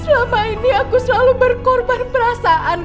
selama ini aku selalu berkorban perasaan